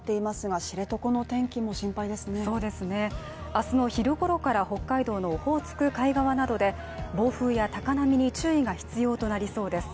明日の昼頃から北海道のオホーツク海側などで暴風や高波に注意が必要となりそうです。